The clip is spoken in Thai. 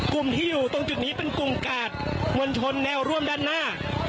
กลุ่มที่อยู่ตรงจุดนี้เป็นกลุ่มกาดมวลชนแนวร่วมด้านหน้า